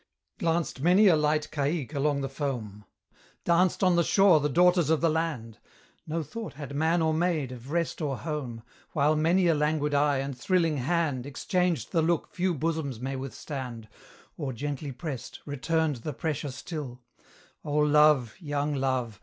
Glanced many a light caique along the foam, Danced on the shore the daughters of the land, No thought had man or maid of rest or home, While many a languid eye and thrilling hand Exchanged the look few bosoms may withstand, Or gently pressed, returned the pressure still: Oh Love! young Love!